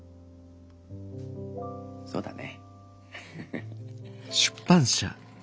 そうだね。